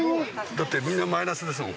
だってみんなマイナスですもん